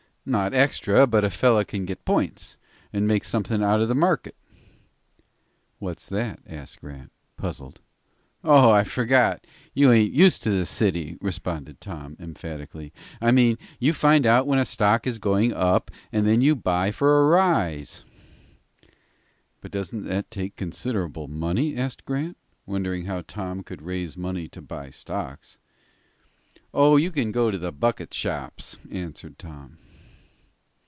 "Not extra, but a feller can get points, and make something out of the market." "What's that?" asked Grant, puzzled. "Oh, I forgot. You ain't used to the city," responded Tom, emphatically. "I mean, you find out when a stock is going up, and you buy for a rise." "But doesn't that take considerable money?" asked Grant, wondering how Tom could raise money to buy stocks. "Oh, you can go to the bucket shops," answered Tom.